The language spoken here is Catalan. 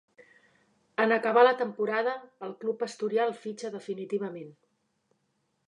En acabar la temporada, el club asturià el fitxa definitivament.